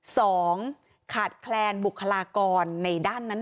สองขาดแคลนบุคลากรในด้านนั้น